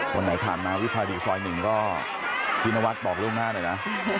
คนไหนถามน้องอิงฟ้าดิกซอยหนึ่งก็พี่นวัดบอกเรื่องหน้าหน่อยนะ